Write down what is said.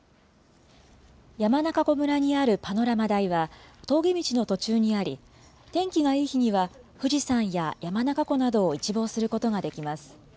山中湖村にあるパノラマ台は、峠道の途中にあり、天気がいい日には、富士山や山中湖などを一望することができます。